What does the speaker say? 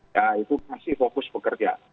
ya itu masih fokus bekerja